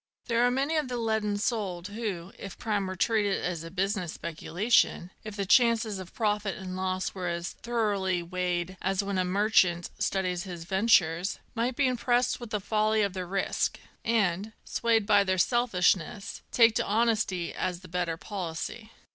There are many of the leaden souled who, if crime were treated as a business speculation, — if the chances of profit and loss were as thoroughly weighed as when a merchant studies his ventures, — might be impressed with the folly of the risk, and, swayed by their selfishness, take to honesty as the better policy.